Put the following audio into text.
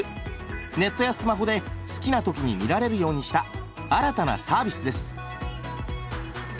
ネットやスマホで好きな時に見られるようにした新たなサービスです！